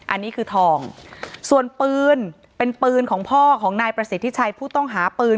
อันนี้คือทองส่วนปืนเป็นปืนของพ่อของนายประสิทธิชัยผู้ต้องหาปืน